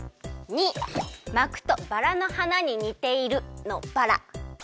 ②まくとバラのはなににているのバラ。